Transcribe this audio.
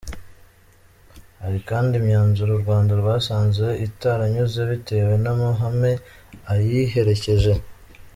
Hari kandi imyanzuro u Rwanda rwasanze itarunyuze bitewe n’amahame ayiherekeje.